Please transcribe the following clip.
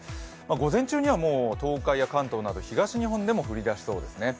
午前中にはもう東海や関東など東の方でも降り出しますね。